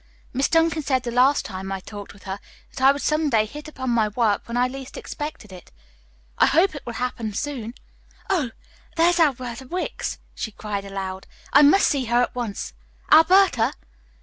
Miss Duncan said the last time I talked with her that I would some day hit upon my work when I least expected it. I hope it will happen soon. Oh, there goes Alberta Wicks!" she cried aloud. "I must see her at once. Alberta!"